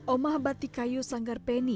omah batik kayu sanggarpeni